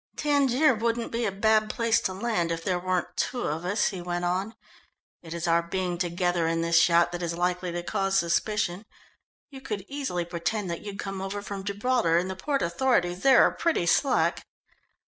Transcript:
"Tangier wouldn't be a bad place to land if there weren't two of us," he went on. "It is our being together in this yacht that is likely to cause suspicion. You could easily pretend that you'd come over from Gibraltar, and the port authorities there are pretty slack."